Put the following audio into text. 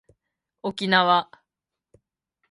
おきなわ